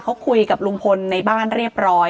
เขาคุยกับลุงพลในบ้านเรียบร้อย